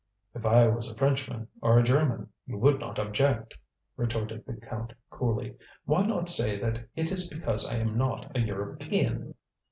"If I was a Frenchman, or a German, you would not object!" retorted the Count coolly. "Why not say that it is because I am not a European!"